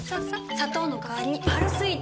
砂糖のかわりに「パルスイート」！